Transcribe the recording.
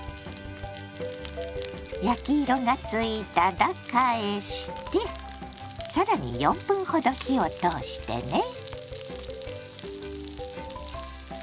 焼き色がついたら返して更に４分ほど火を通してね。